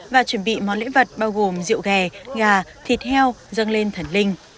và chuẩn bị món lễ vật bao gồm rượu ghè gà thịt heo dâng lên thần linh